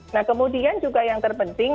nah kemudian juga yang terpenting